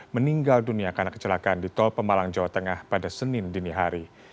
meninggal dunia karena kecelakaan di tol pemalang jawa tengah pada senin dini hari